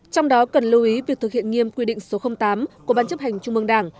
trong đó cần lưu ý việc thực hiện nghiêm quy định số tám của ban chấp hành trung mương đảng